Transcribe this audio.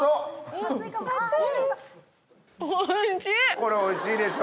これおいしいでしょ？